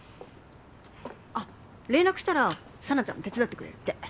あ連絡したら紗菜ちゃんも手伝ってくれるって。